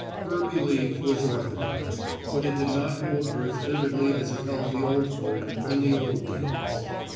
Her belief was orthodox, but it did not hold her as vividly as it held the old folk in the old days.